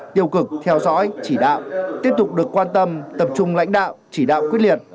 tiêu cực theo dõi chỉ đạo tiếp tục được quan tâm tập trung lãnh đạo chỉ đạo quyết liệt